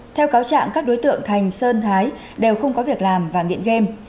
theo cáo trạng các đối tượng thành sơn thái đều không có việc làm và nghiện game